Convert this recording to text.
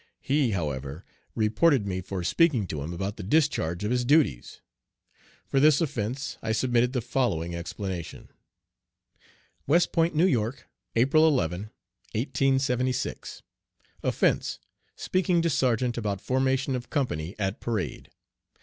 He, however, reported me for speaking to him about the discharge of his duties. For this offence, I submitted the following explanation: WEST POINT, N. Y., April 11, 1876. Offense: Speaking to sergeant about formation of company at parade.